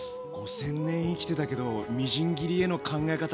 ５，０００年生きてたけどみじん切りへの考え方